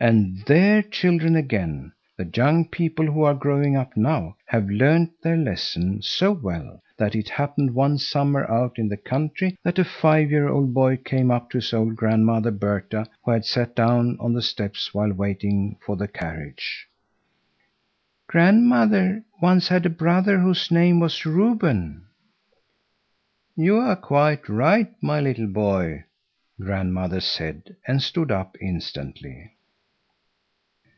And their children again, the young people who are growing up now, have learned their lesson so well, that it happened one summer out in the country that a five year old boy came up to his old grandmother Berta, who had sat down on the steps while waiting for the carriage:— "Grandmother once had a brother whose name was Reuben." "You are quite right, my little boy," grandmother said, and stood up instantly.